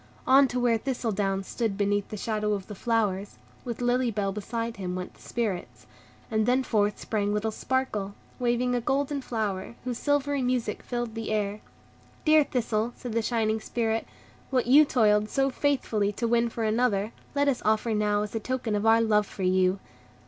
On to where Thistledown stood beneath the shadow of the flowers, with Lily Bell beside him, went the Spirits; and then forth sprang little Sparkle, waving a golden flower, whose silvery music filled the air. "Dear Thistle," said the shining Spirit, "what you toiled so faithfully to win for another, let us offer now as a token of our love for you."